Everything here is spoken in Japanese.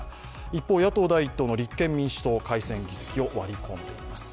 一方、野党第１党の立憲民主党、改選議席を割り込んでいます。